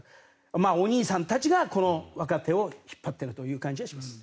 お兄さんたちが若手を引っ張っているという感じはします。